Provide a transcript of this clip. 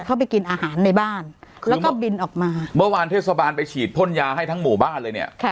เข้าไปกินอาหารในบ้านแล้วก็บินออกมาเมื่อวานเทศบาลไปฉีดพ่นยาให้ทั้งหมู่บ้านเลยเนี่ย